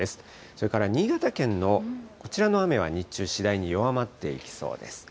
それから新潟県のこちらの雨は日中次第に弱まっていきそうです。